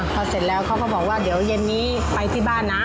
พอเสร็จแล้วเขาก็บอกว่าเดี๋ยวเย็นนี้ไปที่บ้านนะ